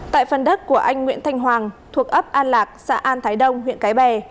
tại phần đất của anh nguyễn thanh hoàng thuộc ấp an lạc xã an thái đông huyện cái bè